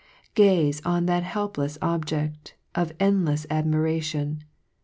5 Gaze on that helplefs Object Of eudlefs admiration